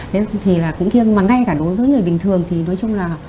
thế thì là cũng kiêng mà ngay cả đối với người bình thường thì nói chung là